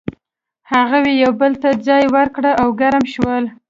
هغوی یو بل ته ځای ورکړ او ګرم شول.